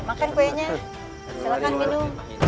maaf panglima ada yang ingin bertemu